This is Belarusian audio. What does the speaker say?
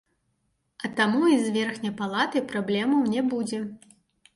А таму і з верхняй палатай праблемаў не будзе.